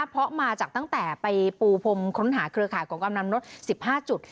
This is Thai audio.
เพราะมาจากตั้งแต่ไปปูพรมค้นหาเครือข่ายของกำลังนก๑๕จุด